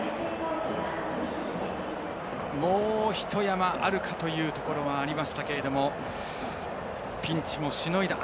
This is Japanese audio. もうひと山あるかというところはありましたけれどもピンチもしのいだ。